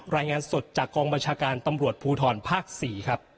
รายงานสดจากกองบัญชาการตำรวจภูทรภาค๔ครับ